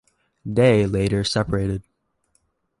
They later separated.